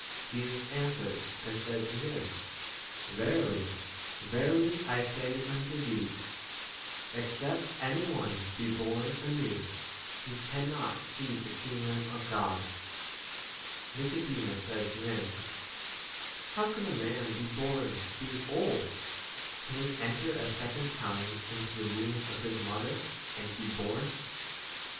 Jesus answered and said to him, Verily, verily, I say un to thee, Except any one be born anewP he cannot see the kingdom 4 of God. Nicodemus says to him, How can a man be born being old ? can he enter a second time into the womb of his mother and „ 5 be born